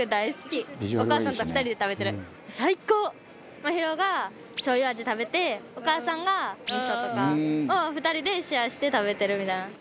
マヒロがしょう油味食べてお母さんが味噌とかを２人でシェアして食べてるみたいな。